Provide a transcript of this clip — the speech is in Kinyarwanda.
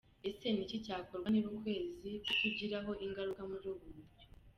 Ese niki cyakorwa niba ukwezi kutugiraho ingaruka muri ubu buryo?.